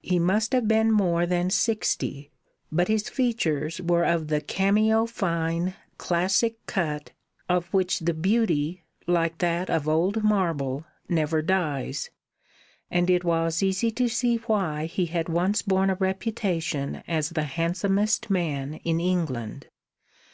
He must have been more than sixty, but his features were of the cameo fine, classic cut, of which the beauty, like that of old marble, never dies, and it was easy to see why he had once borne a reputation as the handsomest man in England.